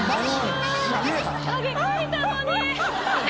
影描いたのに。